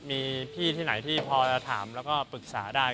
มีพี่ที่ไหนที่พอจะถามแล้วก็ปรึกษาได้